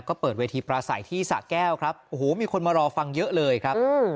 ก็เปิดเวทีปราศัยที่สะแก้วครับโอ้โหมีคนมารอฟังเยอะเลยครับ